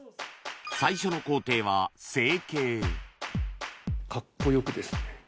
最初の工程はカッコよくですね。